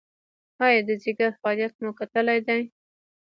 ایا د ځیګر فعالیت مو کتلی دی؟